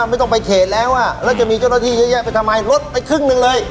ไม่ต้องไปเขตแล้วแล้วจะมีเจ้าหน้าที่เยอะแยะไปทำไมลดไปครึ่งหนึ่งเลย